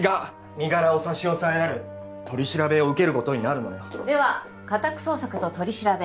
身柄を差し押さえられ取り調べを受けることになるのよでは家宅捜索と取り調べ